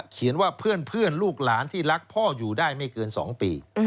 เขียนว่าเพื่อนลูกหลานที่รักพ่ออยู่ได้ไม่เกิน๒ปี